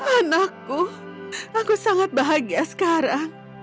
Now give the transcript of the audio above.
anakku aku sangat bahagia sekarang